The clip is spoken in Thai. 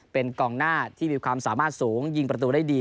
เป็นกองหน้าที่มีความสามารถสูงยิงประตูได้ดี